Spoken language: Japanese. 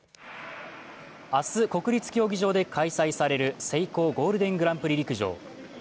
明日、国立競技場で開催されるセイコーゴールデングランプリ陸上。